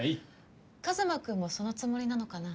カズマ君もそのつもりなのかな？